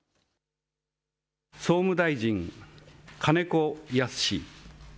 総務大臣、金子恭之。